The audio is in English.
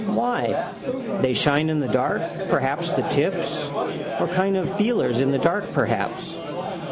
Why? They shine in the dark, perhaps, the tips. Or kind of feelers in the dark, perhaps.